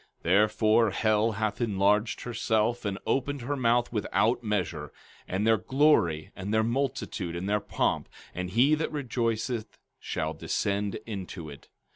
15:14 Therefore, hell hath enlarged herself, and opened her mouth without measure; and their glory, and their multitude, and their pomp, and he that rejoiceth, shall descend into it.